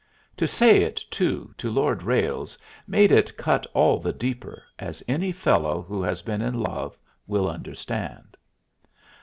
To say it, too, to Lord Ralles made it cut all the deeper, as any fellow who has been in love will understand.